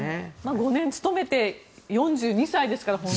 ５年務めて４２歳ですから。